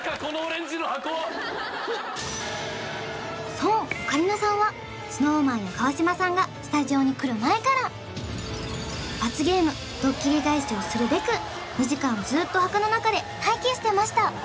そうオカリナさんはＳｎｏｗＭａｎや川島さんがスタジオに来る前から罰ゲームドッキリ返しをするべく２時間ずーっと箱の中で待機してました